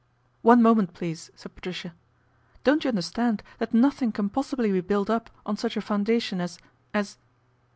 " One moment, please/' said Patricia. " Don't you understand that nothing can possibly be built up on such a foundation as as